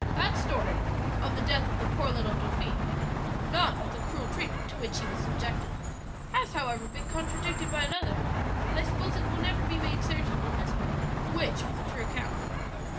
"That story (of the death of the poor little dauphin, I mean, not of the cruel treatment to which he was subjected) has, however, been contradicted by another; and I suppose it will never be made certain in this world which was the true account.